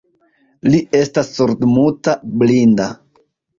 Li estas surdmuta blinda.